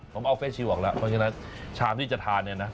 ผมเอาเฟสชิลออกแล้วเพราะฉะนั้นชามที่จะทานเนี่ยนะ